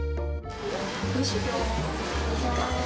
おいしい？